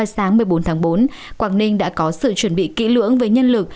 sáng một mươi bốn tháng bốn quảng ninh đã có sự chuẩn bị kỹ lưỡng với nhân lực